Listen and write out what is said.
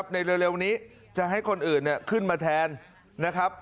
เร็วนี้จะให้คนอื่นขึ้นมาแทนนะครับ